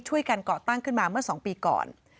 ช่วยกันเกาะตั้งขึ้นมาเมื่อ๒ปีก่อน